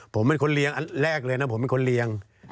ผมเป็นคนเลี้ยงอันแรกเลยนะผมเป็นคนเลี้ยง